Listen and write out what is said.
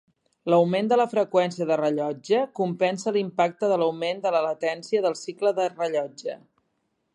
L'augment de la freqüència de rellotge compensa l'impacte de l'augment de la latència del cicle de rellotge.